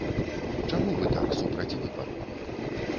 Чаму вы так супраць выбару?